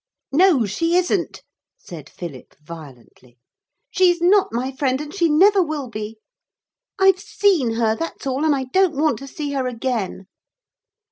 'No, she isn't,' said Philip violently; 'she's not my friend, and she never will be. I've seen her, that's all, and I don't want to see her again.'